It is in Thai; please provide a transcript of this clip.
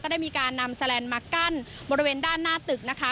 ได้การนำสแหลนมากั้นด้านหน้าตึก